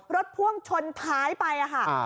พ่วงชนท้ายไปค่ะ